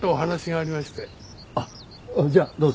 あっじゃあどうぞ。